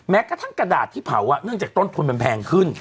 กระทั่งกระดาษที่เผาเนื่องจากต้นทุนมันแพงขึ้น